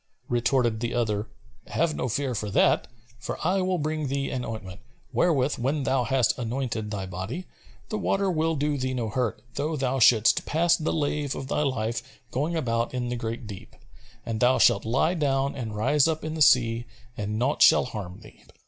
Retorted the other, "Have no fear for that, for I will bring thee an ointment, wherewith when thou hast anointed thy body, the water will do thee no hurt, though thou shouldst pass the lave of thy life going about in the great deep: and thou shalt lie down and rise up in the sea and naught shall harm thee."